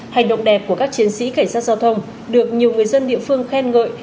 hành động đẹp của các chiến sĩ cảnh sát giao thông được nhiều người dân địa phương khen ngợi